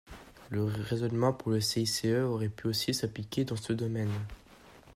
Le raisonnement pour le CICE aurait pu aussi s’appliquer dans ce domaine.